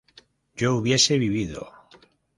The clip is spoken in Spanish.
yo hubiese vivido